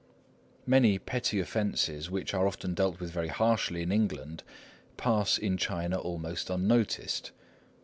Many petty offences which are often dealt with very harshly in England, pass in China almost unnoticed.